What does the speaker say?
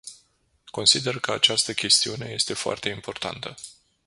Consider că această chestiune este foarte importantă.